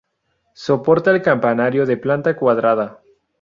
Soporta el campanario de planta cuadrada.